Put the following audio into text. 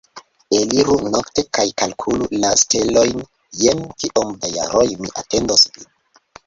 Eliru nokte kaj kalkulu la stelojn jen kiom da jaroj mi atendos vin